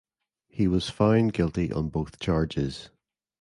He was found guilty on both charges.